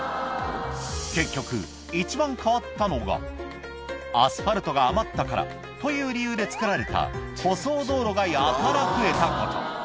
結局、一番変わったのが、アスファルトが余ったからという理由で作られた舗装道路がやたら増えたこと。